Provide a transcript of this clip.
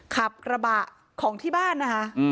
ขับกระบะของที่บ้านนะคะ